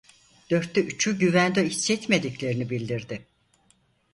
Dörtte üçü güvende hissetmediklerini bildirdi.